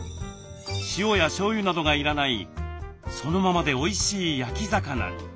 塩やしょうゆなどが要らないそのままでおいしい焼き魚に。